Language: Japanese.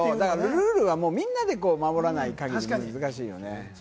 ルールは、みんなで守らない限り難しいよね。